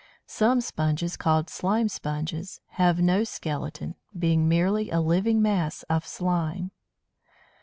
Some Sponges, called Slime Sponges, have no skeleton, being merely a living mass of slime.